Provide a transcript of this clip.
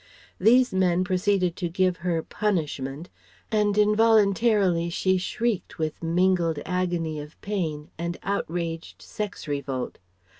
These men proceeded to give her "punishment," and involuntarily she shrieked with mingled agony of pain and outraged sex revolt.